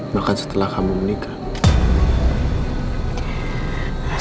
bahkan setelah kamu menikah